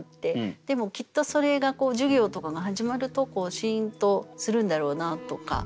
でもきっとそれが授業とかが始まるとシーンとするんだろうなとか。